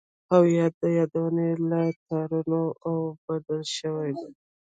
هویت د یادونو له تارونو اوبدل شوی دی.